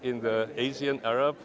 di area asia arab